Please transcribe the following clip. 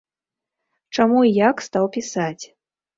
Чаму і як стаў пісаць?